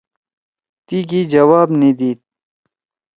تی کی جواب نیدید